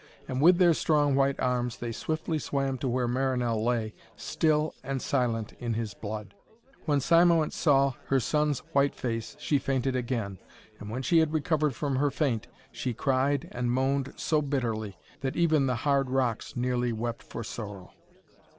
And with their strong white arms they swiftly swam to where Marinell lay, still and silent in his blood. When Cymoënt saw her son's white face, she fainted again, and when she had recovered from her faint, she cried and moaned so bitterly, that even the hard rocks nearly wept for sorrow.